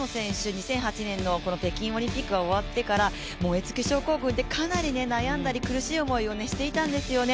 ２００８年の北京オリンピック終わってから燃え尽き症候群で悩んでいたり苦しい思いをしていたんですよね。